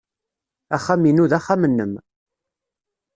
Axxam-inu d axxam-nnem.